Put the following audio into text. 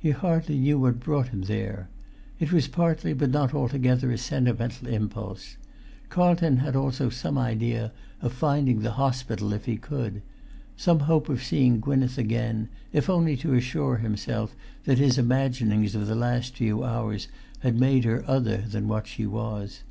He hardly knew what brought him there. It was partly, but not altogether, a sentimental impulse. Carlton had also some idea of finding the hospital if he could, some hope of seeing Gwynneth again, if only to assure himself that his imaginings of the last few hours had made her other than what she was.